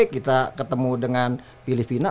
kita ketemu dengan filipina